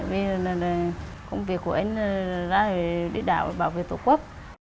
vì công việc của anh là đi đảo bảo vệ tổ quốc